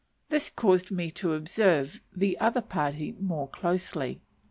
This caused me to observe the other party more closely.